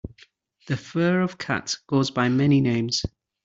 The fur of cats goes by many names.